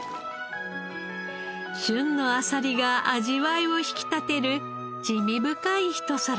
旬のアサリが味わいを引き立てる滋味深いひと皿に。